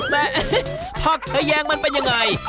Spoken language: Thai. แต่ผักขยางมันเป็นยังไง